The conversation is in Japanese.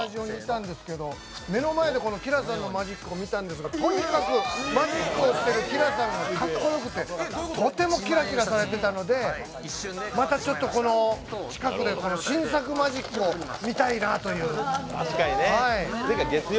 僕たちもスタジオにいたんですけど目の前でＫｉＬａさんのマジックを見たんですが、とにかくマジックをしていたＫｉＬａさんがかっこよくてキラキラしていたのでまた近くで新作マジックを見たいなという。